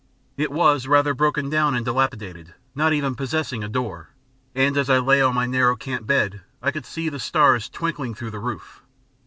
It was rather broken down and dilapidated, not even possessing a door, and as I lay on my narrow camp bed I could see the stars twinkling through the roof.